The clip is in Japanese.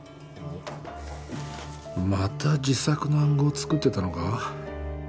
また自作の暗号作ってたのか